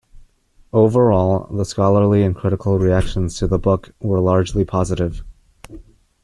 Overall, the scholarly and critical reactions to the book were largely positive.